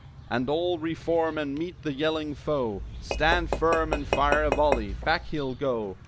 And all re form and meet the yelling foe! Stand firm and fire a volley! Back he'll go.